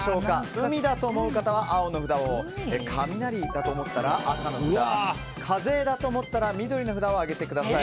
海だと思う方は青の札を雷だと思ったら赤の札風だと思ったら緑の札を上げてください。